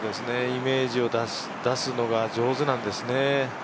イメージを出すのが上手なんですね。